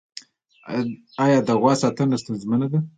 آیا د غوا ساتنه ستونزمنه ده؟